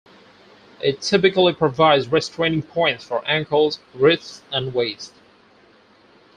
It typically provides restraining points for ankles, wrists, and waist.